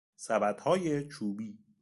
سبدهای چوبی